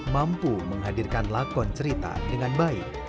mampu menghadirkan lakon cerita dengan baik